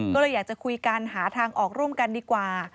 ก็เลยอยากจะคุยกันหาทางออกร่วมกันดีกว่า